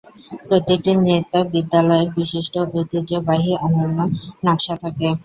প্রতিটি নৃত্য বিদ্যালয়ের বিশিষ্ট ঐতিহ্যবাহী অনন্য নকশা থাকে।